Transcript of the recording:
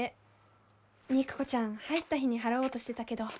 肉子ちゃん入った日に払おうとしてたけど。